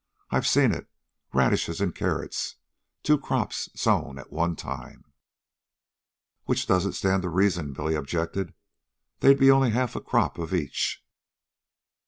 I've seen it radishes and carrots, two crops, sown at one time." "Which don't stand to reason," Billy objected. "They'd be only a half crop of each."